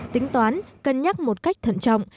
tính toán cân nhắc một cách thận trọng